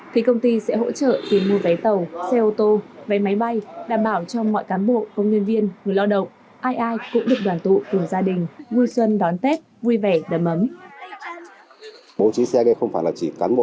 thì công ty sẽ hỗ trợ tìm mua vé tàu xe ô tô vé máy bay đảm bảo cho mọi cán bộ